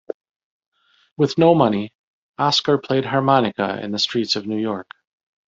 With no money, Oskar played harmonica in the streets of New York.